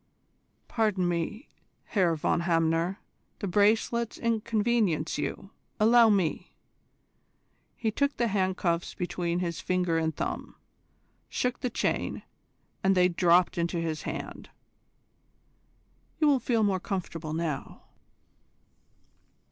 Pardon me, Herr von Hamner: the bracelets inconvenience you. Allow me." He took the handcuffs between his finger and thumb, shook the chain, and they dropped into his hand. "You will feel more comfortable now."